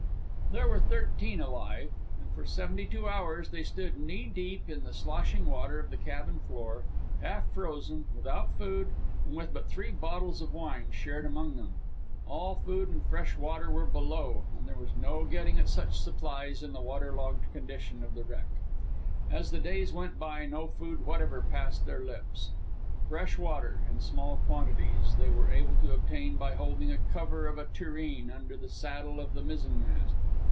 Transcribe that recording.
There were thirteen alive, and for seventy two hours they stood knee deep in the sloshing water on the cabin floor, half frozen, without food, and with but three bottles of wine shared among them. All food and fresh water were below, and there was no getting at such supplies in the water logged condition of the wreck. As the days went by, no food whatever passed their lips. Fresh water, in small quantities, they were able to obtain by holding a cover of a tureen under the saddle of the mizzenmast.